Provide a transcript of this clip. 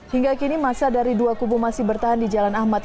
hingga kini masa dari dua kubu masih bertahan di jalan ahmad